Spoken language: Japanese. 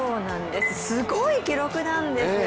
すごい記録なんですよ。